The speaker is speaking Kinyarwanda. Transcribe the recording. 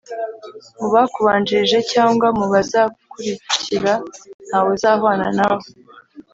mu bakubanjirije cyangwa mu bazakurikira ntawe uzahwana nawe.